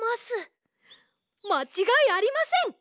まちがいありません！